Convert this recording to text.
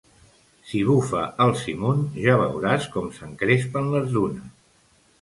Si bufa el simun ja veuràs com s'encrespen les dunes!